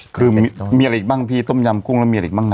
คือมีอะไรอีกบ้างพี่ต้มยำกุ้งแล้วมีอะไรบ้างคะ